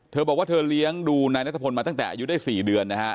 เธอว่าเธอเลี้ยงดูนายนตผลมาตั้งแต่อายุได้๔เดือน